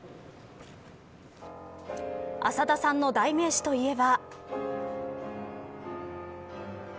浅田さんの代名詞といえば。